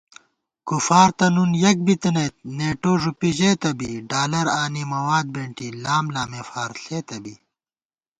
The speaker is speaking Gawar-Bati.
کُفار تہ نُون یَک بِتَنئیت نېٹو ݫُوپی ژېتہ بی * ڈالر آنی مواد بېنٹی لام لامےفار ݪېتہ بی